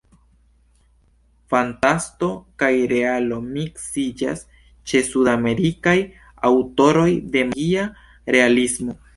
Fantasto kaj realo miksiĝas ĉe Sudamerikaj aŭtoroj de magia realismo.